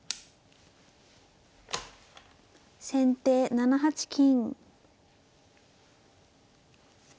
先手７八金。